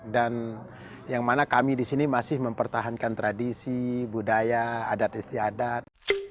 dan yang mana kami di sini masih mempertahankan tradisi budaya adat istiadat